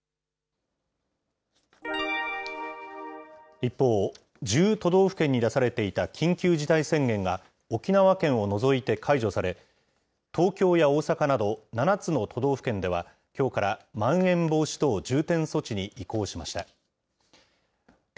一方、１０都道府県に出されていた緊急事態宣言が、沖縄県を除いて解除され、東京や大阪など７つの都道府県では、きょうからまん延防止等重点措置に移行しました。